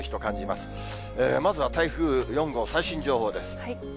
まずは台風４号、最新情報です。